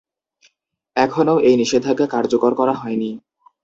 এখনও এই নিষেধাজ্ঞা কার্যকর করা হয়নি।